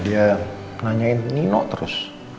dia nanyain nino terus